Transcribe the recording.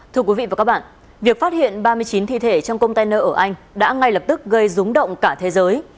thưa quý vị và các bạn việc phát hiện ba mươi chín thi thể trong container ở anh đã ngay lập tức gây rúng động cả thế giới